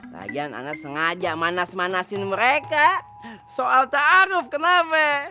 lagian anak sengaja manas manasin mereka soal tak aruf kenapa